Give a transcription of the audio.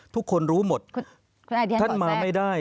ทุกคนรู้หมดท่านมาไม่ได้